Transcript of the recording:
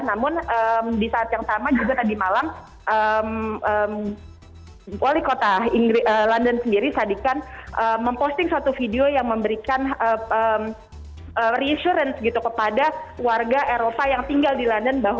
namun di saat yang sama juga tadi malam wali kota london sendiri sadikan memposting satu video yang memberikan reassurance gitu kepada warga eropa yang tinggal di london